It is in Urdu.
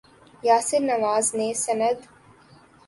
یاسر نواز نے سند